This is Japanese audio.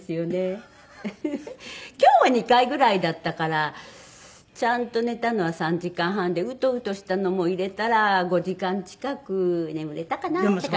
今日は２回ぐらいだったからちゃんと寝たのは３時間半でうとうとしたのも入れたら５時間近く眠れたかなって感じ。